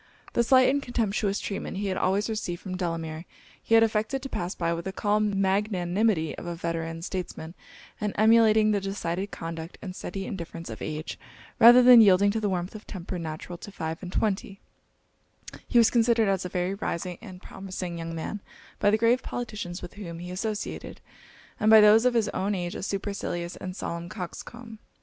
The slight and contemptuous treatment he had always received from Delamere, he had affected to pass by with the calm magnanimity of a veteran statesman; and emulating the decided conduct and steady indifference of age, rather than yielding to the warmth of temper natural to five and twenty, he was considered as a very rising and promising young man by the grave politicians with whom he associated, and by those of his own age a supercilious and solemn coxcomb.